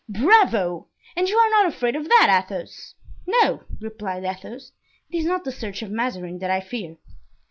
"Bravo! and you are not afraid of that, Athos?" "No," replied Athos, "it is not the search of Mazarin that I fear."